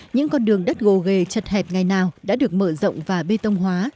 những con đường đất gồ ghề chật hẹp ngày nào đã được mở rộng và bê tông hóa